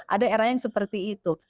ada era yang seperti itu